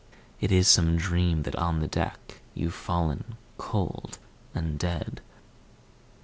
It is some dream that on the deck You've fallen cold and dead.